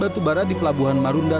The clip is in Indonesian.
batubara di pelabuhan marunda